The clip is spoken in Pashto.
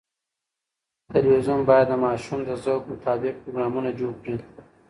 تلویزیون باید د ماشومانو د ذوق مطابق پروګرامونه جوړ کړي.